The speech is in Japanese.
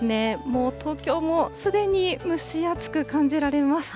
もう東京もすでに蒸し暑く感じられます。